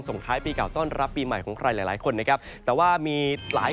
ท้ายปีเก่าต้อนรับปีใหม่ของใครหลายหลายคนนะครับแต่ว่ามีหลาย